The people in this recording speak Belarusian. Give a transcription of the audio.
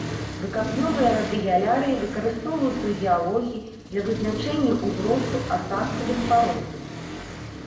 Выкапнёвыя радыялярыі выкарыстоўваюцца ў геалогіі для вызначэння ўзросту асадкавых парод.